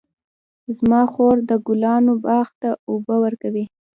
زما خور د ګلانو باغ ته اوبه ورکوي.